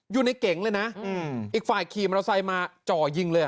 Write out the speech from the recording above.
อยู่ในเก๋งเลยน่ะอืมอีกฝ่ายขีมเราใส่มาจ่อยิงเลยอ่ะ